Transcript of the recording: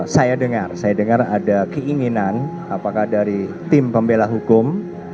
saya dengar ada keinginan apakah dari tim pembela hukum